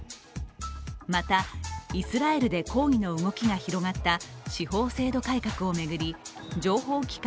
またイスラエルで抗議の動きが広がった司法制度改革を巡り情報期間